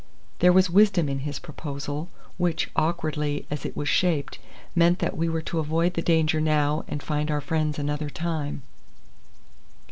There was wisdom in his proposal, which, awkwardly as it was shaped, meant that we were to avoid the danger now and find our friends another time.